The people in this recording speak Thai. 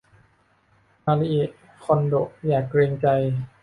มาริเอะคนโดะอย่าเกรงใจ